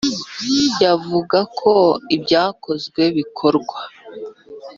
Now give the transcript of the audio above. yavuga ko ibyakozwe bikorwa.